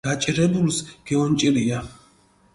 გაჭირებულს გეუნჭირია